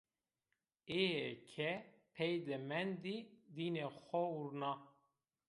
Êyê ke pey de mendî, dînê xo vurna.